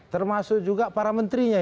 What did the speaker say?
termasuk juga para menterinya